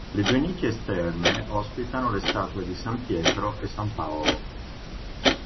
Le due nicchie esterne ospitano le statue di san Pietro e san Paolo.